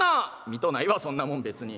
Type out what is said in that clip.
「見とうないわそんなもん別に。